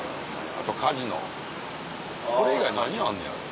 あとカジノそれ以外何あんのやろ？